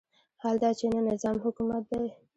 حال دا چې نه نظام حکومت دی.